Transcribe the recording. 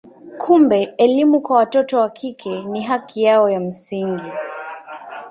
Kumbe elimu kwa watoto wa kike ni haki yao ya msingi.